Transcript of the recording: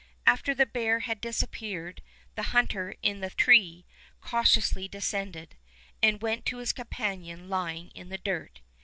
After the bear had disappeared, the hunter in the tree cautiously descended, and went to his companion lying in the dirt.